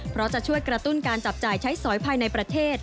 เพราะจะช่วยกระตุ้นการจับจ่ายใช้สอยภายในประเทศ